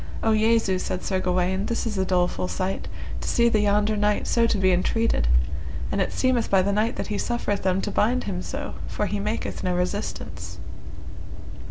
O Jesu! said Sir Gawaine, this is a doleful sight, to see the yonder knight so to be entreated, and it seemeth by the knight that he suffereth them to bind him so, for he maketh no resistance.